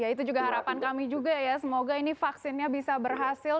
ya itu juga harapan kami juga ya semoga ini vaksinnya bisa berhasil